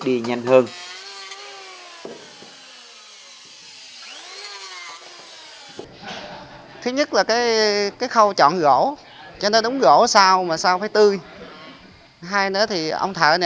đước đi nhanh hơn